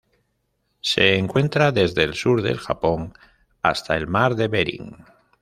Se encuentra desde el sur del Japón hasta el mar de Bering.